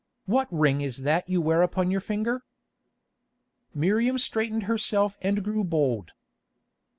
What ring is that you wear upon your finger?" Miriam straightened herself and grew bold.